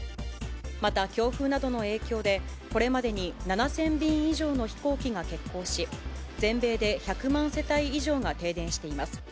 また強風などの影響で、これまでに７０００便以上の飛行機が欠航し、全米で１００万世帯以上が停電しています。